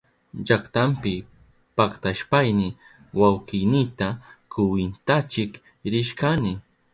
Llaktanpi paktashpayni wawkiynita kwintachik rishkani.